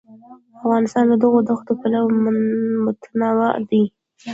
افغانستان له دغو دښتو پلوه متنوع دی.